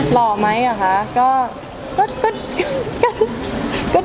หล่อไหมอ่ะค่ะก็ดูโอเคครับ